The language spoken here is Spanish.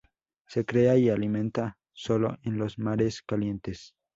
Se crea y alimenta sólo en los mares calientes.